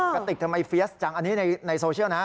กระติกทำไมเฟียสจังอันนี้ในโซเชียลนะ